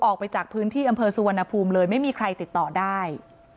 ออกไปจากพื้นที่อำเภอสุวรรณภูมิเลยไม่มีใครติดต่อได้